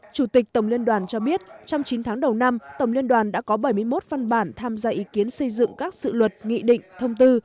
chủ tịch tổng liên đoàn cho biết trong chín tháng đầu năm tổng liên đoàn đã có bảy mươi một văn bản tham gia ý kiến xây dựng các sự luật nghị định thông tư